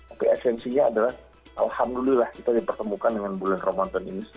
oke esensinya adalah alhamdulillah kita dipertemukan dengan bulan ramadan ini